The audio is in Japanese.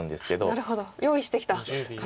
なるほど用意してきた形。